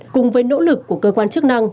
cùng với nỗ lực của cơ quan chức năng